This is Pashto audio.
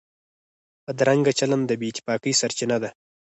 بدرنګه چلند د بې اتفاقۍ سرچینه ده